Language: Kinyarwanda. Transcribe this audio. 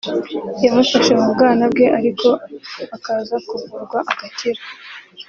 yamufashe mu bwana bwe ariko akaza kuvurwa agakira